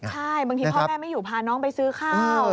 ใช่บางทีพ่อแม่ไม่อยู่พาน้องไปซื้อข้าว